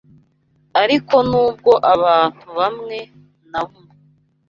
Ariko nubwo abantu bamwe na bumwe